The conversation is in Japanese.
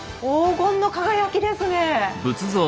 黄金の輝きですね！